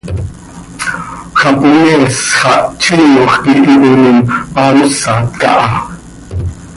Japonees xah tziinoj quih ipooinim, haa mosat caha.